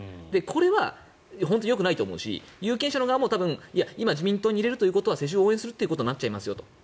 これは本当によくないと思うし有権者の側も今、自民党に入れるということは世襲を応援するということになっちゃいますよと。